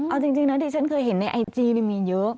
เอาจริงนะดิฉันเคยเห็นในไอจีมีเยอะ